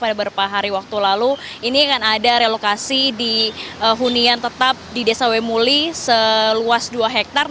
dari waktu lalu ini akan ada relokasi di hunian tetap di desa wemuli seluas dua hektare